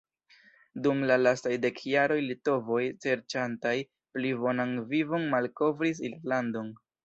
Dum la lastaj dek jaroj litovoj serĉantaj pli bonan vivon malkovris Irlandon.